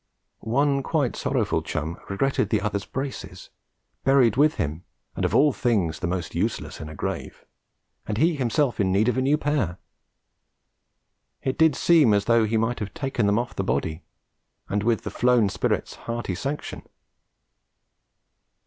One quite sorrowful chum regretted the other's braces, buried with him and of all things the most useless in a grave, and he himself in need of a new pair. It did seem as though he might have taken them off the body, and with the flown spirit's hearty sanction.